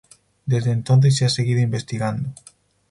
Desde entonces se ha seguido investigando.